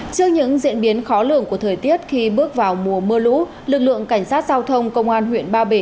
trước những diễn biến khó lường của thời tiết khi bước vào mùa mưa lũ lực lượng cảnh sát giao thông công an huyện ba bể